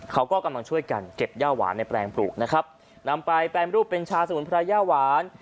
เขาก็กำลังช่วยกันเก็บย่าหวานในแปลงปลูกนะครับนำไปแปรรูปเป็นชาสมุนไพรย่าหวาน